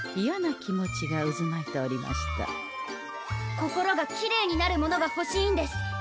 心がきれいになるものがほしいんです！